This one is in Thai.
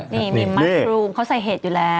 นี่มีมะกรูมเขาใส่เห็ดอยู่แล้ว